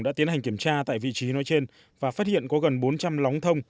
đã tiến hành kiểm tra tại vị trí nói trên và phát hiện có gần bốn trăm linh lóng thông